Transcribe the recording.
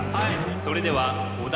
それではお題